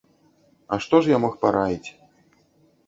А што ж я мог параіць?